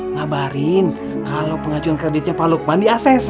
ngabarin kalau pengajuan kreditnya pak lukman di ases